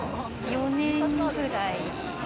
４年くらい。